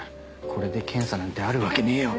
これで検査なんてあるわけねえよ。